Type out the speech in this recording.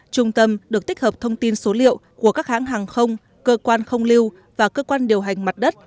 trung tâm được tích hợp thông tin số liệu của các hãng hàng không cơ quan không lưu và cơ quan điều hành mặt đất